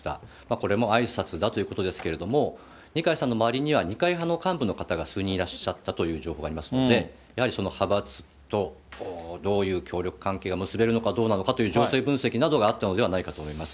これもあいさつだということですけれども、二階さんの周りには、二階派の幹部の方が数人いらっしゃったという情報がありますので、やはりその派閥とどういう協力関係が結べるのかどうなのかという情勢分析などがあったのではないかと思います。